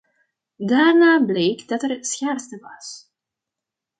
Daarna bleek dat er schaarste was.